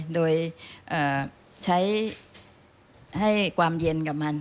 โดยใช้ให้ความเย็นกับมัน